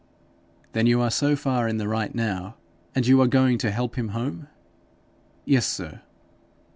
'Then you are so far in the right now. And you are going to help him home?' 'Yes, sir.'